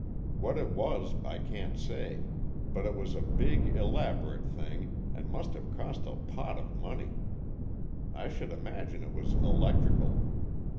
What it was I can't say, but it was a big elaborate thing, and must have cost a pot of money. I should imagine it was electrical.